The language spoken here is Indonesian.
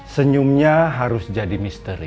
senyumnya harus jadi misteri